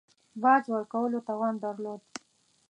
باج ورکولو توان درلود.